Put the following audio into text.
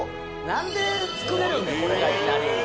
何で作れるんだこれがいきなり。